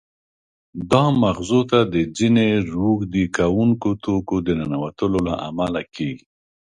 دا مغزو ته د ځینې روږدې کوونکو توکو د ننوتلو له امله کېږي.